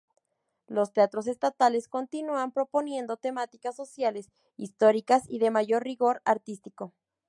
Los teatros estatales continúan proponiendo temáticas sociales, históricas y de mayor rigor artístico.